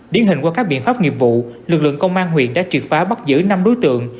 điển hình qua các biện pháp nghiệp vụ lực lượng công an huyện đã triệt phá bắt giữ năm đối tượng